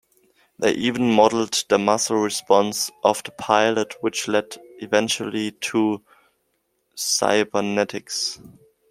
They even modeled the muscle response of the pilot, which led eventually to cybernetics.